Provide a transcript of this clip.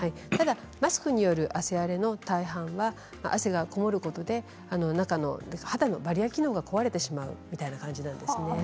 マスクによる汗荒れの大半は汗がこもることで中の肌のバリアー機能が壊れてしまうみたいな感じなんですね。